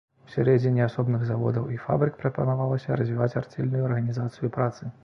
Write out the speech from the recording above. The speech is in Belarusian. Усярэдзіне асобных заводаў і фабрык прапанавалася развіваць арцельную арганізацыю працы.